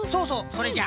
それじゃ。